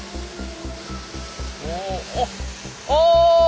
おおっあ！